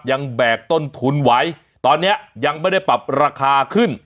แบกต้นทุนไว้ตอนนี้ยังไม่ได้ปรับราคาขึ้น